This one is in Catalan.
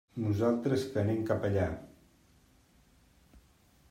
Nosaltres que anem cap allà.